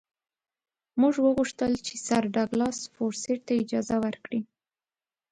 موږ وغوښتل چې سر ډاګلاس فورسیت ته اجازه ورکړي.